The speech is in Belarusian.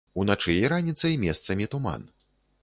Уначы і раніцай месцамі туман.